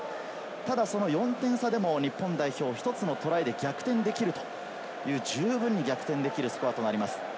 ただ４点差でも日本代表を１つのトライで逆転できるという十分に逆転できるスコアとなります。